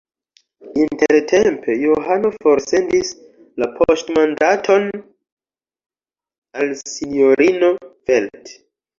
Intertempe Johano forsendis la poŝtmandaton al sinjorino Velt.